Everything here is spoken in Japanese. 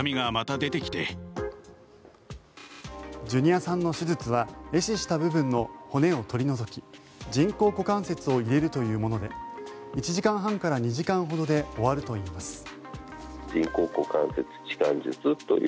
ジュニアさんの手術は壊死した部分の骨を取り除き人工股関節を入れるというもので１時間半から２時間ほどで終わるといいます。